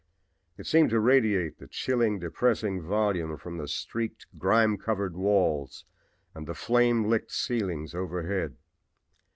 It seemed to radiate the chilling, depressing volume from the streaked, grime covered walls and the flame licked ceilings overhead.